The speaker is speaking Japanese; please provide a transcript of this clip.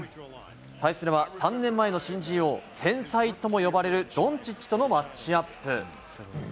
対するは３年前の新人王天才ともいわれるドンチッチとのマッチアップ。